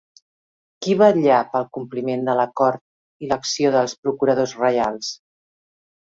Qui vetllà pel compliment de l'acord i l'acció dels procuradors reials?